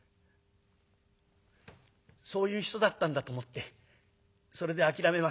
「そういう人だったんだと思ってそれで諦めます」。